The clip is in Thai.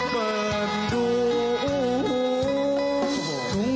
เปิดดู